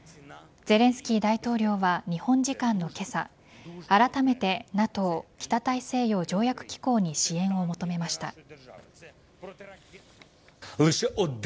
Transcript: ゼレンスキー大統領は日本時間の今朝あらためてＮＡＴＯ＝北大西洋条約機構に支援を求めました。